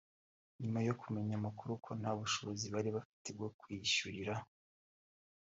nyuma yo kumenya amakuru ko nta bushobozi bari bafite bwo kwiyishyurira